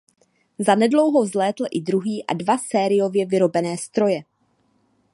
Za nedlouho vzlétl i druhý a dva sériově vyrobené stroje.